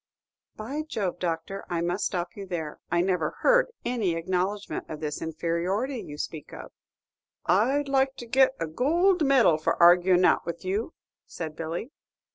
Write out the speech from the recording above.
"By Jove, Doctor, I must stop you there; I never heard any acknowledgment of this inferiority you speak of." "I'd like to get a goold medal for arguin' it out with you," said Billy.